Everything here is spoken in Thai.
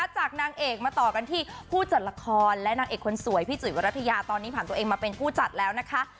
จากนางเอกมาต่อกันที่ผู้จัดละครและนางเอกคนสวยพี่จุ๋ยวรัฐยาตอนนี้ผ่านตัวเองมาเป็นผู้จัดแล้วนะคะ